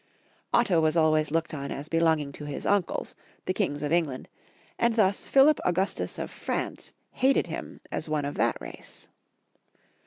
Otto was always looked on as belonging to his uncles, the Kings of England, and thus Philip Augustus of France hated him as one of that race.